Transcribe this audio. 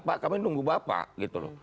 pak kami nunggu bapak gitu loh